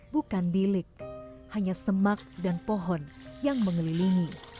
bukan bilik hanya semak dan pohon yang mengelilingi